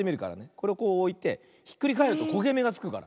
これをこうおいてひっくりかえるとこげめがつくから。